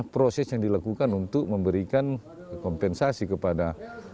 proses yang dilakukan untuk memberikan kompensasi kepada